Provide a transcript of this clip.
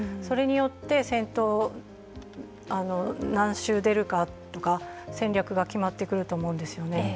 それによって先頭何周出るかとか戦略が決まってくると思うんですよね。